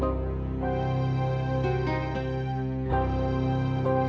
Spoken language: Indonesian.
apaan sih bek